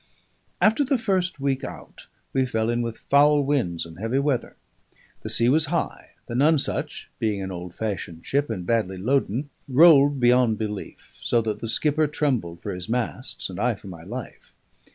After the first week out we fell in with foul winds and heavy weather. The sea was high. The Nonesuch being an old fashioned ship, and badly loaden, rolled beyond belief; so that the skipper trembled for his masts, and I for my life.